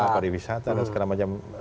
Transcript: para wisata dan segala macam